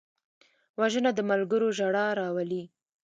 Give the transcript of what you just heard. وژنه د ملګرو ژړا راولي